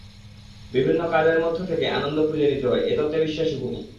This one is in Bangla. বিভিন্ন কাজে মধ্য থেকে আনন্দ খুঁজে নিতে হয়—এ তত্ত্বে বিশ্বাসী তিনি।